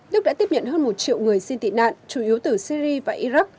đức đã tiếp nhận hơn một triệu người xin tị nạn chủ yếu từ syri và iraq